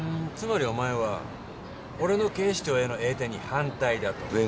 つまりお前は俺の警視庁への栄転に反対だと。